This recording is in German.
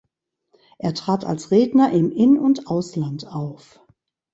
Er trat als Redner im In- und Ausland auf.